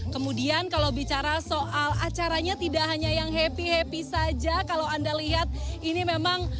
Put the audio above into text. kemudian kalau bicara soal acaranya tidak hanya yang happy happy saja kalau anda lihat ini memang